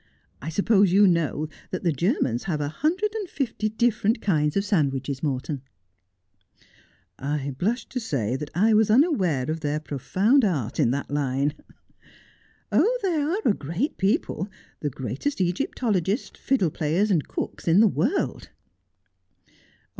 I suppose you know that the Germans have a hundred and fifty different kinds of sandwiches, Morton 1 ' 1 1 blush to say that I was unaware of their profound art in that line.' 'Oh, they are a great people. The greatest Egyptologists, fiddle players, and cooks in the world.'